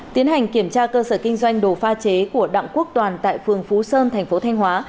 tiến hành kiểm tra cơ sở kinh doanh đồ pha chế của đặng quốc toàn tại phường phú sơn thành phố thanh hóa